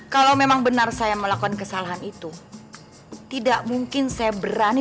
kalau memang benar saya melakukan kesalahan itu tidak mungkin saya berani